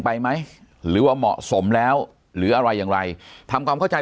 ไปไหมหรือว่าเหมาะสมแล้วหรืออะไรอย่างไรทำความเข้าใจ